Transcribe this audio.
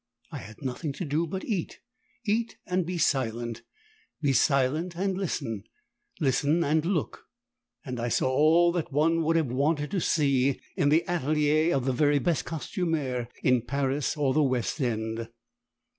I had nothing to do but eat eat and be silent; be silent and listen; listen and look, and I saw all that one would have wanted to see in the atelier of the very best costumière in Paris or the West End.